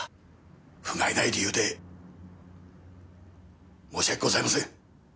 不甲斐ない理由で申し訳ございません。